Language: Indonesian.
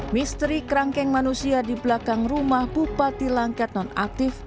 misteri kerangkeng manusia di belakang rumah bupati langkat nonaktif